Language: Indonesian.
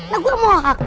lah gua mohak